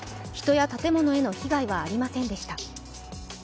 人や建物への被害はありませんでした。